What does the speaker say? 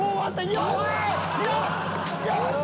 よし！